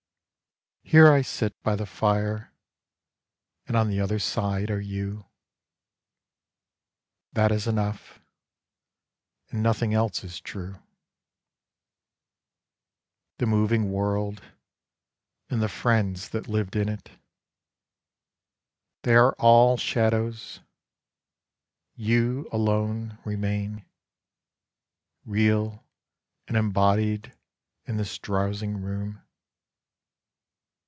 Here I sit By the fire and on the other side are you ; That is enough and nothing else is true — The moving world and the friends that lived in it ; They are all shadows, you alone remain, Real and embodied in this drowsing room.